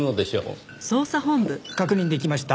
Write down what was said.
確認できました。